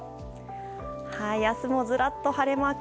明日もずらっと晴れマーク。